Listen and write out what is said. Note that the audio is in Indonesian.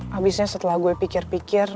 habisnya setelah gue pikir pikir